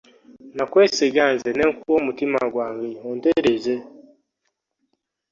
Nakwesiga nze nekuwa omutima gwange ontereze ,.